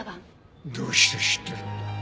どうして知ってるんだ？